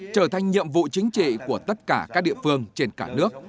trở thành nhiệm vụ chính trị của tất cả các địa phương trên cả nước